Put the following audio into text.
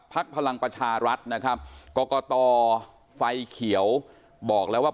พลังประชารัฐนะครับกรกตไฟเขียวบอกแล้วว่า